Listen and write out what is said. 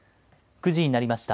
９時になりました。